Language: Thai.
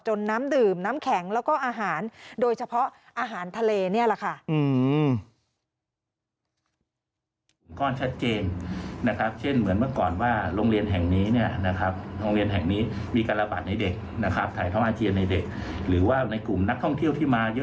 น้ำดื่มน้ำแข็งแล้วก็อาหารโดยเฉพาะอาหารทะเลนี่แหละค่ะ